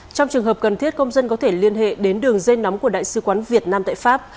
trong trường hợp cần thiết công dân có thể liên hệ đến đường dây nóng của đại sứ quán việt nam tại pháp